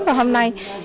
và hôm nay